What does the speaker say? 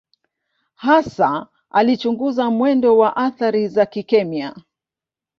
Hasa alichunguza mwendo wa athari za kikemia.